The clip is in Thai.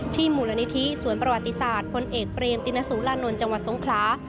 มูลนิธิสวนประวัติศาสตร์พลเอกเปรมตินสุรานนท์จังหวัดทรงคลา